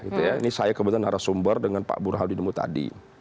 ini saya kebetulan narasumber dengan pak burhan di demo tadi